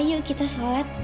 yuk kita sholat